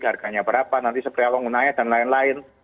harganya berapa nanti segera uang gunanya dan lain lain